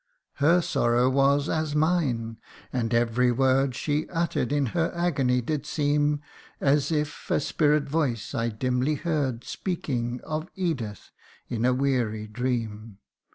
Her sorrow was as mine, and every word She utter'd in her agony did seem As if a spirit voice I dimly heard Speaking of Edith in a weary dream.